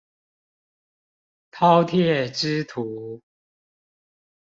饕餮之徒